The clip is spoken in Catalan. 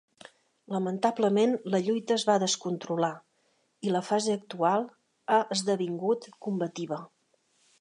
Lamentablement, la lluita es va descontrolar i la fase actual ha esdevingut combativa.